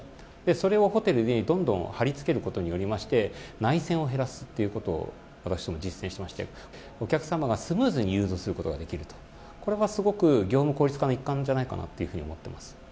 それをホテルにどんどん貼り付けることによりまして内線を減らすということを実践しましてお客様がスムーズに誘導することができるこれはすごく業務効率化の一環じゃないかと思っています。